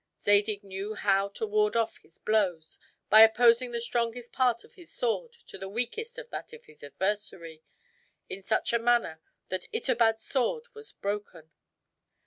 Zadig knew how to ward off his blows, by opposing the strongest part of his sword to the weakest of that of his adversary, in such a manner that Itobad's sword was broken.